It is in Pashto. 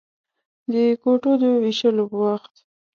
د کوټو د وېشلو په وخت.